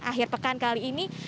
akhir pekan kali ini